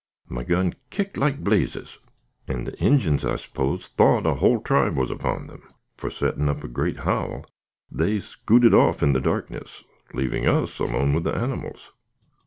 My gun kicked like blazes, and the Ingins I s'pose thought a whole tribe was upon them; for setting up a great howl, they skooted off in the darkness, leaving us alone with the animals.